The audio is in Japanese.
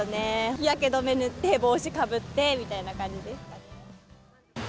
日焼け止め塗って、帽子かぶってみたいな感じです。